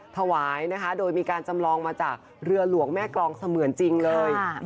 ถวายนะคะโดยมีการจำลองมาจากเรือหลวงแม่กรองเสมือนจริงเลย